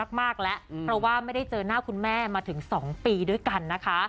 มากแล้วเพราะว่าไม่ได้เจอหน้าคุณแม่มาถึง๒ปีด้วยกันนะคะ